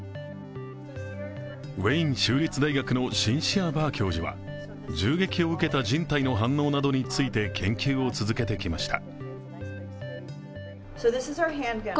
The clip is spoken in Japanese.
ウェイン州立大学のシンシア・バー教授は銃撃を受けた人体の反応などについて研究を続けてきました。